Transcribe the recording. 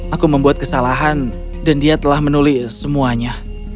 aku membuat kesalahan dan dia telah menulis semuanya